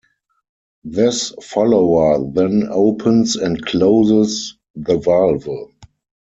This follower then opens and closes the valve.